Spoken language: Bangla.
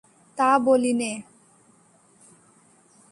তা বলি নে।